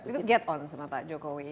itu get on sama pak jokowi